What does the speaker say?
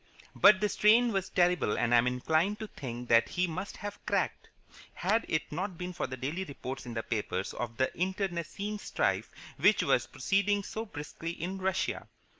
But the strain was terrible and I am inclined to think that he must have cracked, had it not been for the daily reports in the papers of the internecine strife which was proceeding so briskly in Russia.